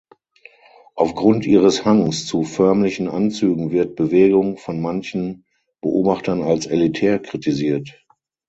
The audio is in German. Aufgrund ihres Hangs zu förmlichen Anzügen wird Bewegung von manchen Beobachtern als elitär kritisiert.